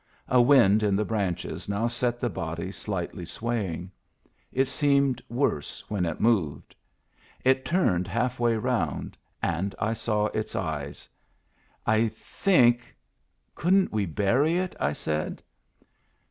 A wind in the branches now set the body slightly swaying ; it seemed worse when it moved ; it turned half way round, and I saw its eyes. " I think — couldn't we bury it?" I said.